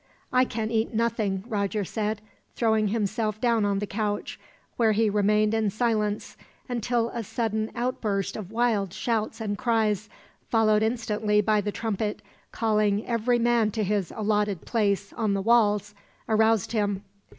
"I can eat nothing," Roger said, throwing himself down on the couch, where he remained in silence until a sudden outburst of wild shouts and cries, followed instantly by the trumpet, calling every man to his allotted place on the walls, aroused him.